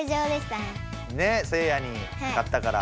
せいやに勝ったから。